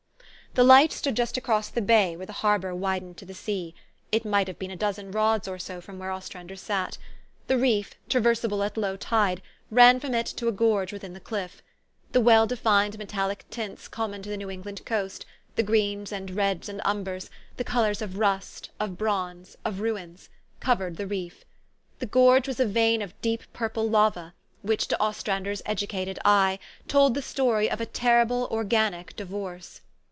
The Light stood just across the bay where the Harbor widened to the sea ; it might have been a dozen rods or so from where Ostrander sat. The reef, traversable at low tide, ran from it to a gorge within the cliff. The well defined metallic tints com mon to the New England coast the greens and reds and umbers, the colors of rust, of bronze, of ruins covered the reef. The gorge was a vein of deep purple lava, which to Ostrander 's educated eye told the story of a terrible organic divorce.